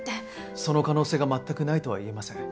その可能性が全くないとは言えません。